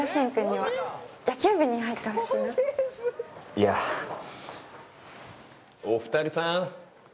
王子：お二人さん。